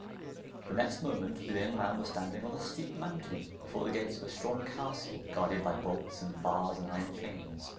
The next moment the young man was standing on a steep mountain before the gates of a strong castle guarded by bolts and bars and iron chains.